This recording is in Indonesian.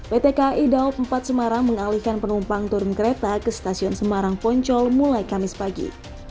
pt kai daob empat semarang mengalihkan penumpang turun kereta ke stasiun semarang poncol mulai kamis pagi